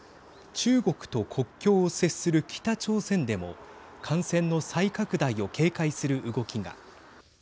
中国と国境を接する北朝鮮でも感染の再拡大を警戒する動きが。